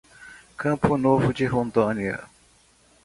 Campo Novo de Rondônia